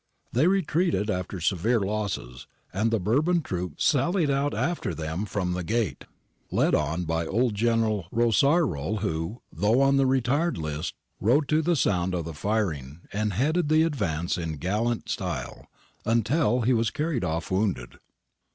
They retreated after severe losses, and the Bourbon troops sallied out after them from the gate, led on by old General Rossaroll who, though on the retired list, rode to the sound of the firing and headed the advance in gallant style, until he was carried off wounded.